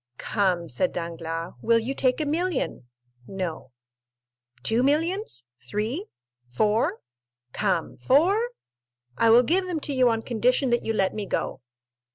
"Come," said Danglars, "will you take a million?" "No." "Two millions?—three?—four? Come, four? I will give them to you on condition that you let me go."